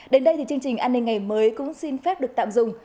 đến đây thì chương trình an ninh ngày mới cũng xin phép được tạm dùng